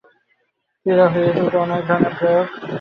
Theory of রিলেটিভিটির অন্য এক ধরনের প্রয়োগ।